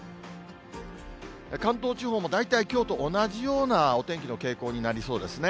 関東地方も大体きょうと同じようなお天気の傾向になりそうですね。